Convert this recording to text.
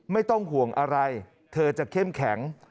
ไม่ต้องห่วงอะไรเธอจะเข้มแข็ง